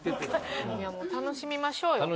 楽しみましょう。